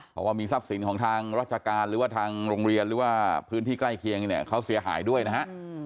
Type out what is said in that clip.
เพราะว่ามีทรัพย์สินของทางราชการหรือว่าทางโรงเรียนหรือว่าพื้นที่ใกล้เคียงเนี่ยเขาเสียหายด้วยนะฮะ